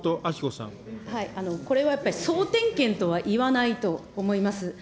これはやっぱり総点検とはいわないと思います。